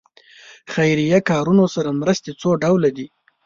خیریه کارونو سره مرستې څو ډوله دي.